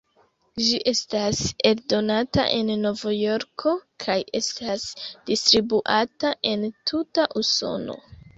Ĝi estas eldonata en Novjorko kaj estas distribuata en tuta Usono.